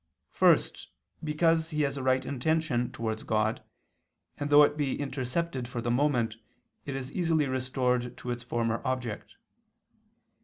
First, because he has a right intention towards God, and though it be intercepted for the moment, it is easily restored to its former object.